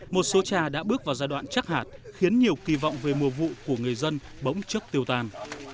một số trà đã bước vào giai đoạn chắc hạt khiến nhiều kỳ vọng về mùa vụ của người dân bỗng trước tiêu tan